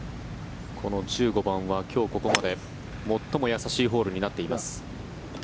この１５番は今日ここまで最も易しいホールになっています。